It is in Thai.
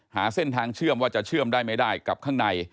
หาเส้นทางเชื่อมว่าจะเชื่อมได้ไม่ได้กับข้างใน